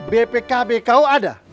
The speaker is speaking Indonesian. bpkb kau ada